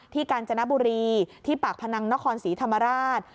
กาญจนบุรีที่ปากพนังนครศรีธรรมราช